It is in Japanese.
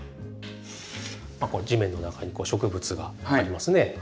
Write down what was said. まあこう地面の中に植物がありますね。